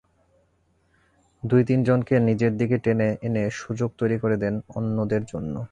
দুই-তিনজনকে নিজের দিকে টেনে এনে সুযোগ তৈরি করে দেন অন্যদের জন্য।